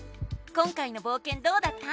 今回のぼうけんどうだった？